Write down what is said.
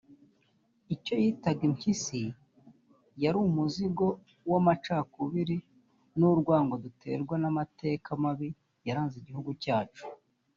Icyo yitaga impyisi yari umuzigo w’amacakubiri n’urwango duterwa n’amateka mabi yaranze igihugu cyacu